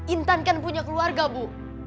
intan kan punya keluarga bu